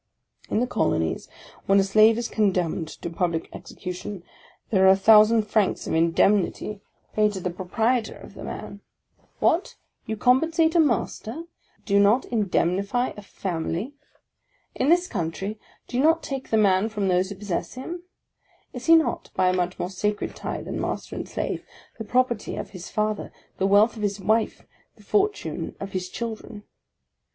In the Colonies, when a slave is condemned to public ex ecution, there are a thousand francs of indemnity paid to the 36 PREFACE OF proprietor of the man ! What, you compensate a master, and you do not indemnify a family! In this country, do you not take the man from those who possess him? Is he not, by a much more sacred tie than master and slave, the property of his father, the wealth of his wife, the fortune of his children.